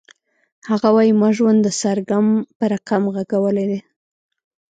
هغه وایی ما ژوند د سرګم په رقم غږولی دی